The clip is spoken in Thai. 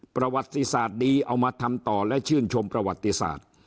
ประวัติศาสตร์ดีเอามาทำต่อและชื่นชมประวัติศาสตร์